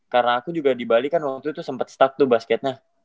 karena aku juga di bali kan waktu itu sempet stuck tuh basket nya